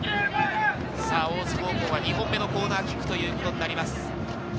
大津高校は２本目のコーナーキックになります。